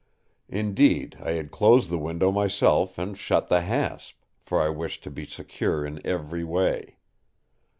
Indeed, I had closed the window myself and shut the hasp, for I wished to be secure in every way.